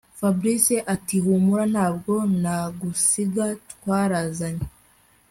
Fabric atihumura ntabwo nagusiga twarazanye